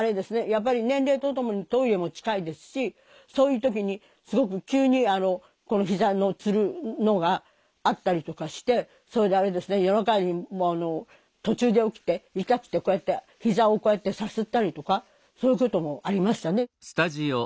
やっぱり年齢とともにトイレも近いですしそういう時にすごく急にひざのつるのがあったりとかしてそれであれですね夜中にもう途中で起きて痛くてこうやってひざをこうやってさすったりとかそういうこともありましたね。